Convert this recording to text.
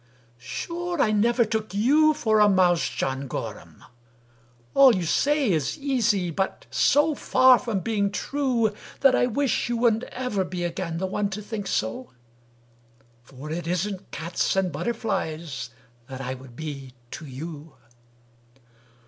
"— "Sure I never took you for a mouse, John Gorham; All you say is easy, but so far from being true That I wish you wouldn't ever be again the one to think so; For it isn't cats and butterflies that I would be to you."